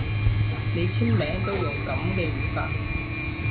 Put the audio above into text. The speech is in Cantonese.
你簽名都用噉嘅語法